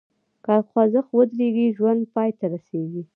که خوځښت ودریږي، ژوند پای ته رسېږي.